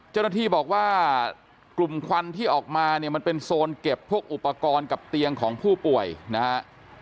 เจ้าหน้าที่บอกว่ากลุ่มควันที่ออกมาเนี่ยมันเป็นโซนเก็บพวกอุปกรณ์กับเตียงของผู้ป่วยนะฮะ